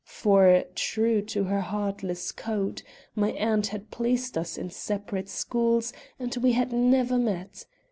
For, true to her heartless code, my aunt had placed us in separate schools and we had never met.